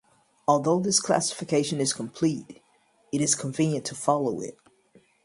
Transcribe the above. Although this classification is complete, it is convenient to follow it.